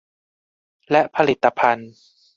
และผลิตภัณฑ์